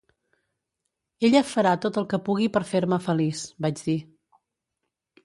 "Ella farà tot el que pugui per fer-me feliç", vaig dir.